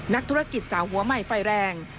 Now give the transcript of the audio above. นักธุรกิจสาวหัวใหม่ไฟแรง